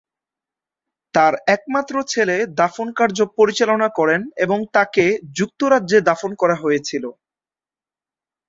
তার একমাত্র ছেলে দাফন কার্য পরিচালনা করেন এবং তাকে যুক্তরাজ্যে দাফন করা হয়েছিল।